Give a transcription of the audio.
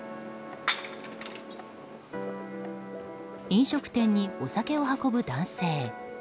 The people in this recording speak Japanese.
飲食店にお酒を運ぶ男性。